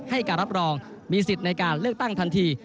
ให้การรับรองมีสิทธิ์ในการเลือกตั้งทันที